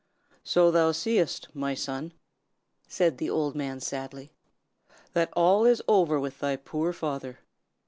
"So thou seest, my son," said the old man, sadly, "that all is over with thy poor father.